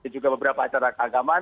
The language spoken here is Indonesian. juga beberapa acara keagamaan